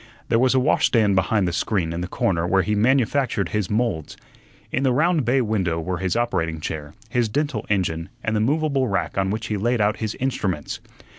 There was a washstand behind the screen in the corner where he manufactured his moulds. In the round bay window were his operating chair, his dental engine, and the movable rack on which he laid out his instruments.